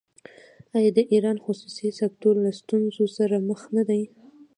آیا د ایران خصوصي سکتور له ستونزو سره مخ نه دی؟